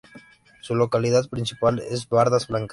Su localidad principal es Bardas Blancas.